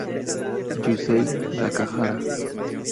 Yusei Nakahara